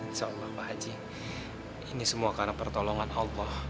insya allah mbak haji ini semua karena pertolongan allah